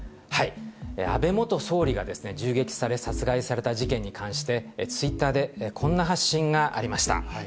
安倍元総理が銃撃され、殺害された事件に関して、ツイッターで、こんな発信がありました。